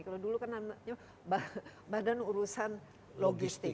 kalau dulu kan namanya badan urusan logistik